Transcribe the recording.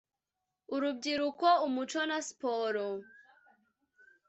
Urubyiruko umuco na siporo